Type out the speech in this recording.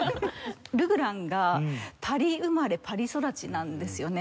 ルグランがパリ生まれパリ育ちなんですよね。